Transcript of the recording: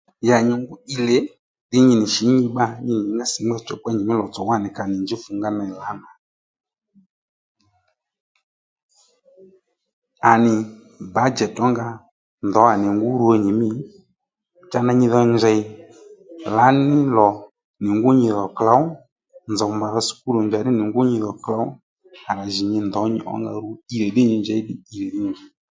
Ya nyi ngû ílè nyi nì shǐ nyi bbâ nyi nì nyǐngá sǐngba chǔ ney nyìmí lò tsò ka nì njuw fungá wá lǎnà à nì bǎjèt ǒnga ndǒ à nì ngu rwo nyǐmǐ cha nyi dho njèy lǎní lò nì ngú nyi dhò klǒw nzòw mbàdha sùkúl ò njàddí nì ngu nyidhò klǒw à jì nyi ndǒ nyi ónga rwo ilè ddí nyi njěy ilè ddí